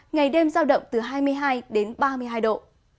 ngày đêm giao động từ hai mươi hai đến ba mươi hai độ